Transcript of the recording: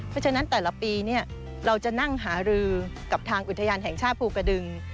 เพราะฉะนั้นแต่ละปีเราจะนั่งหารือกับทางอุทยานแห่งชาติภูกระดึง